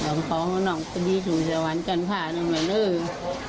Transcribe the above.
อย่างพ้องของน้องก็ดีสูงสวรรค์กันค่ะอย่างนั้นเลย